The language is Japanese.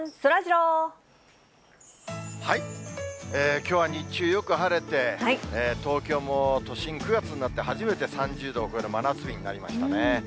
きょうは日中、よく晴れて、東京も都心、９月になって初めて３０度を超える真夏日になりましたね。